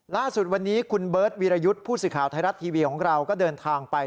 ล่าสุดวันนี้คุณเบิร์ตวีรยุทธ์ผู้สื่อข่าวไทยรัฐทีวีของเราก็เดินทางไป